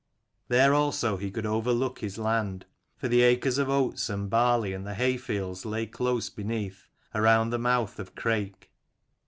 There also he could overlook his land ; for the acres of oats and barley and the hay fields lay close beneath, around the mouth of Crake.